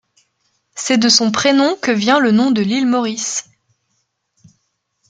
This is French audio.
C'est de son prénom que vient le nom de l'île Maurice.